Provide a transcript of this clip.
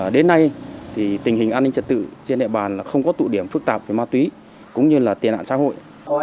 đến nay thì tình hình an ninh trật tự trên địa bàn không có tụ điểm phức tạp về ma túy cũng như là tiền nạn xã hội